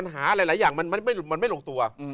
หาหลายอย่างมันไม่ลงตัว